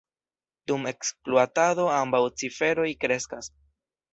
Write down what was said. Dum ekspluatado ambaŭ ciferoj kreskas.